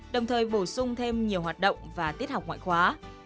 đồng thời bổ sung thêm nhiều hoạt động và tiết học ngoại khóa